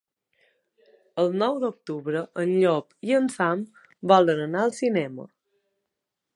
El nou d'octubre en Llop i en Sam volen anar al cinema.